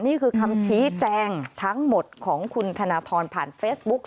นี่คือคำชี้แจงทั้งหมดของคุณธนทรผ่านเฟซบุ๊ก